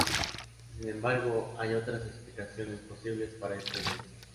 Sin embargo, hay otras explicaciones posibles para este evento.